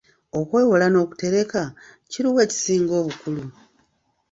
Okwewola n'okutereka, kiri wa ekisinga obukulu?